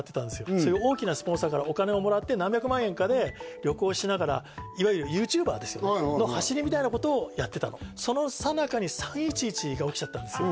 それ大きなスポンサーからお金をもらって何百万円かで旅行しながらの走りみたいなことをやってたのそのさなかに３・１１が起きちゃったんですよ